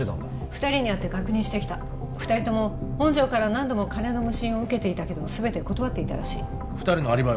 ２人に会って確認してきた２人とも本条から何度も金の無心を受けていたけど全て断っていたらしい２人のアリバイは？